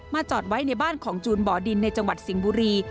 จอดไว้ในบ้านของจูนบ่อดินในจังหวัดสิงห์บุรี